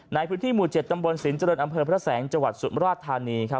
ในพื้นที่หมู่๗ตำบลสินเจริญอำเภอพระแสงจังหวัดสุมราชธานี